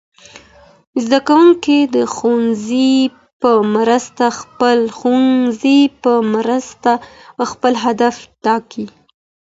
زدهکوونکي د ښوونځي په مرسته خپل هدف ټاکي.